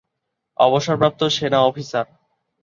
অবসরপ্রাপ্ত সেনা অফিসার।